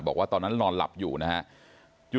บอกว่าตอนนั้นนอนหลับอยู่นะฮะ